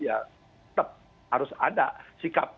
tetap harus ada sikap